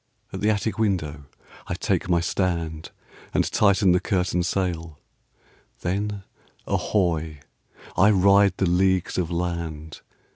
At the attic window I take my stand. And tighten the curtain sail, Then, ahoy! I ride the leagues of land.